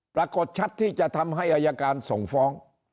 ปรากฏชัดที่จะทำให้อายการส่งฟ้อง